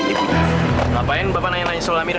ngapain bapak namira yang selalu nanya